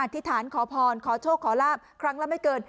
ธิษฐานขอพรขอโชคขอลาบครั้งละไม่เกิน